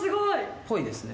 っぽいですね。